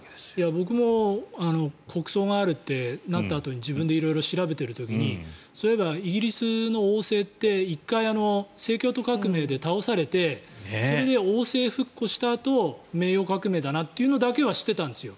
僕も国葬があるってなって自分で色々調べている時にそういえばイギリスの王政って１回、清教徒革命で倒されてそれで王政復古したあと名誉革命だなというのだけは知ってたんですよ。